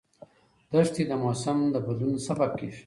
دښتې د موسم د بدلون سبب کېږي.